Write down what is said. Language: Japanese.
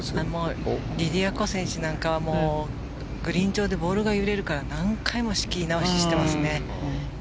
リディア・コ選手なんかはグリーン上でボールが揺れるから何回も仕切り直ししてますね。